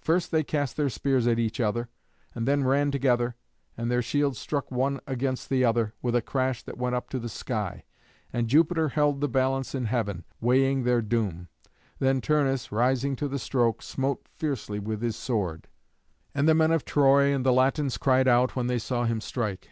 First they cast their spears at each other, and then ran together, and their shields struck one against the other with a crash that went up to the sky. And Jupiter held the balance in heaven, weighing their doom. Then Turnus, rising to the stroke, smote fiercely with his sword. And the men of Troy and the Latins cried out when they saw him strike.